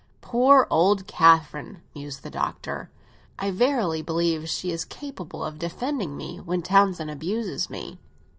Poor old Catherine!" mused the Doctor; "I verily believe she is capable of defending me when Townsend abuses me!"